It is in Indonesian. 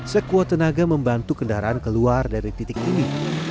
sekuat tenaga membantu kendaraan keluar dari titik ini